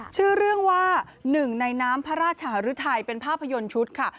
ชื่อเรื่องว่าหนึ่งในน้ำพระราชหรือไทยเป็นภาพยนตร์ชุดค่ะ